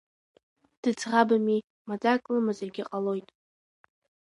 Дыӡӷабми, маӡак лымазаргьы ҟалоит.